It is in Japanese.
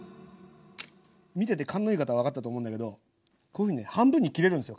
見てて勘のいい方は分かったと思うんだけどこういうふうにね半分に切れるんですよ